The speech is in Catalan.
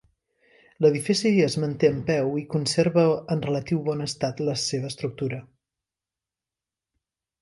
L'edifici es manté en peu i conserva en relatiu bon estat la seva estructura.